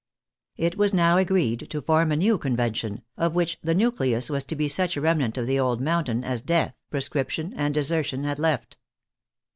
It was now agreed to form a new Convention, of which the nucleus was to be such remnant of the old Mountain as death, proscription, and desertion had left.